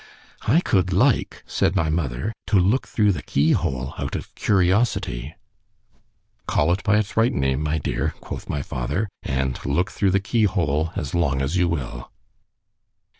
I could like, said my mother, to look through the key hole out of curiosity——Call it by its right name, my dear, quoth my father— And look through the key hole as long as you will.